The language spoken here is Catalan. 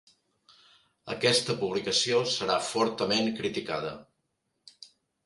Aquesta publicació serà fortament criticada.